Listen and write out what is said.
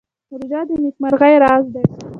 روژه د نېکمرغۍ راز دی.